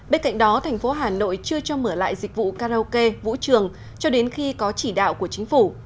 bên cạnh đó thành phố hà nội chưa cho mở lại dịch vụ karaoke vũ trường cho đến khi có chỉ đạo của chính phủ